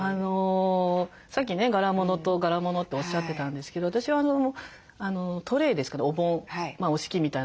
さっきね柄物と柄物っておっしゃってたんですけど私はあのトレーですかねお盆おしきみたいな。